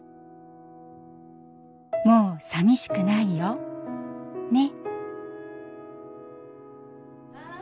「もうさみしくないよネ！」。